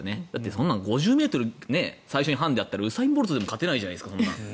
そんなの５０ｍ最初にハンデがあったらウサイン・ボルトでも勝てないじゃないですか。